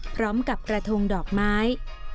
พร้อมกับกระทงดอกไม้